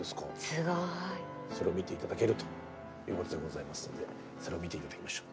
すごい。それを見て頂けるということでございますのでそれを見て頂きましょう。